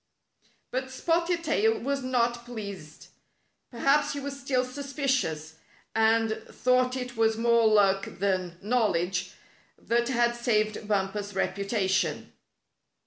But Spotted Tail was not pleased. Perhaps he was still suspicious, and thought it was more luck than knowledge that had saved Bumper's reputation.